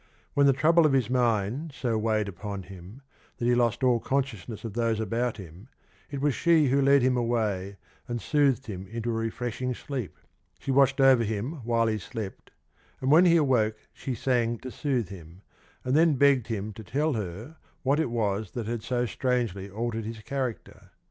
When the trouble of his mind so weighed upon him that he lost all consciousness of those about him, it was she who led him away and soothed him into a refreshing sleep. She watched over him while he slept, and when he awoke she sang to soothe him, and then begged him to tell her what it was that had so strangely altered his character.